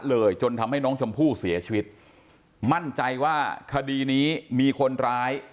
เลยจนทำให้น้องชมพู่เสียชีวิตมั่นใจว่าคดีนี้มีคนร้าย